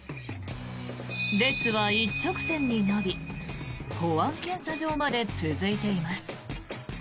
列は一直線に伸び保安検査場まで続いています。